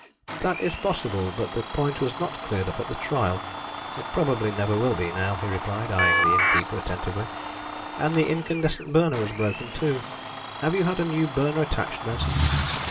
"That is possible, but the point was not cleared up at the trial; it probably never will be now," he replied, eyeing the innkeeper attentively. "And the incandescent burner was broken too. Have you had a new burner attached, Benson?"